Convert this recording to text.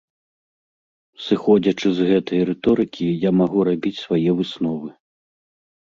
Сыходзячы з гэтай рыторыкі я магу рабіць свае высновы.